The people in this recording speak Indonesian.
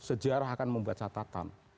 sejarah akan membuat catatan